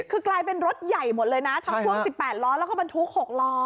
คือกลายเป็นรถใหญ่หมดเลยนะทั้งพ่วง๑๘ล้อแล้วก็บรรทุก๖ล้อ